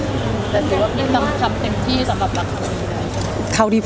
แต่คิดว่าพี่ทำเต็มที่สำหรับรักเขาได้ไหม